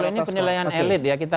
kalau ini penilaian elit ya